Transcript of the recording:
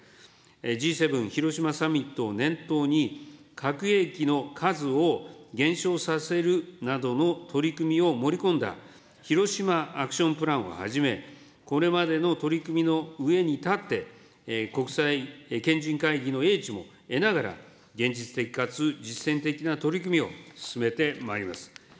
Ｇ７広島サミットを念頭に、核兵器の数を減少させるなどの取り組みを盛り込んだ、ヒロシマ・アクション・プランをはじめ、これまでの取り組みのうえに立って、国際賢人会議の英知も得ながら、現実的かつ実践的な取り組みを進めてまいります。